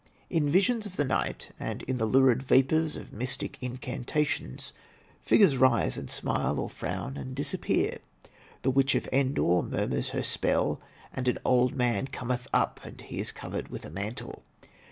In visions of the night and in the lurid vapors of mystic incantations, figures rise and smile or frown and disappear. The Witch of Endor murmurs her spell, and 'an old man cometh up, and he is covered with a mantle.'